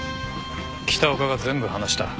北岡が全部話した。